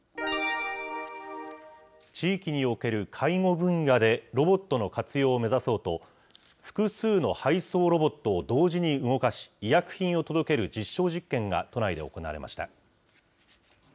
地域における介護分野でロボットの活用を目指そうと、複数の配送ロボットを同時に動かし、医薬品を届ける実証実験が都内で行われました。